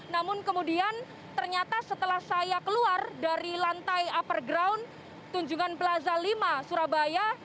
namun kemudian ternyata setelah saya keluar dari lantai upperground tunjungan plaza lima surabaya